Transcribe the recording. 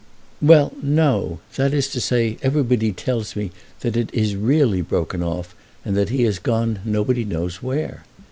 "Well, no. That is to say, everybody tells me that it is really broken off, and that he has gone nobody knows where.